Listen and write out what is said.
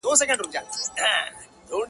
اوس مي تا ته دي راوړي سوغاتونه.!